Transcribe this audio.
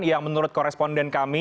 yang menurut koresponden kami